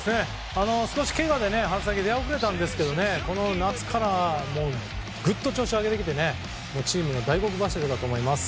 少し、けがで春先は出遅れたんですがこの夏からはぐっと調子を上げてきてチームの大黒柱だと思います。